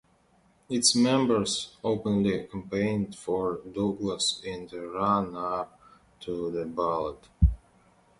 Its members openly campaigned for Douglas in the run up to the ballot.